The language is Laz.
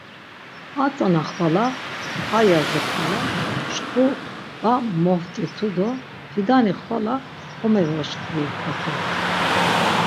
A tzana xvala, a yazi xvala şǩu va moft̆itu do Fidani xvala komevoşǩvi hako.